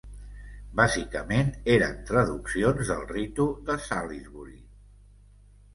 Bàsicament eren traduccions del ritu de Salisbury.